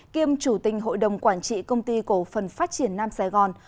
kiêm chủ tình hội đồng quản trị công ty cổ phần phát triển nam sài gòn